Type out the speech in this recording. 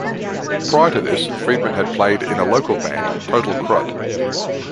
Prior to this, Friedman had played in a local band, Total Crud.